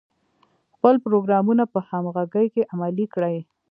خپل پروګرامونه په همغږۍ کې عملي کړي.